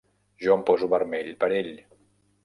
Jo em poso vermell per ell.